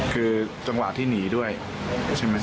คือจังหวะที่หนีด้วยใช่ไหม